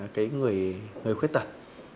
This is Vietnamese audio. cái người khuyết tật